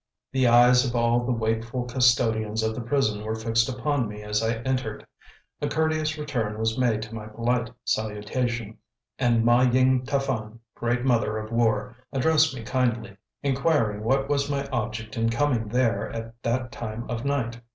The eyes of all the wakeful custodians of the prison were fixed upon me as I entered. A courteous return was made to my polite salutation, and Ma Ying Taphan Great Mother of War addressed me kindly, inquiring what was my object in coming there at that time of night.